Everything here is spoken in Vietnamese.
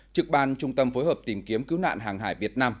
trực ban trung tâm phối hợp tìm kiếm cứu nạn hàng hải việt nam